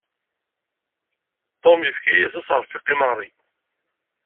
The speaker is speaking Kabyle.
Tom yefka-yas aseṛfiq i Mary.